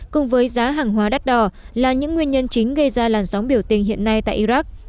cùng với giá hàng hóa đắt đỏ là những nguyên nhân chính gây ra làn sóng biểu tình hiện nay tại iraq